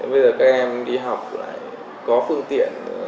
bây giờ các em đi học lại có phương tiện